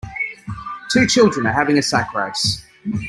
Two children are having a sack race.